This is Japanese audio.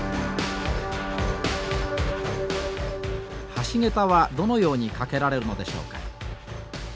橋桁はどのように架けられるのでしょうか？